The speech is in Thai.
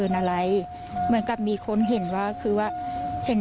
ใช่ใช่